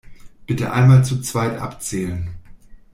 Bitte einmal zu zweit abzählen!